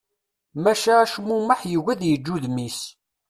Maca acmumeḥ yugi ad yeǧǧ udem-is.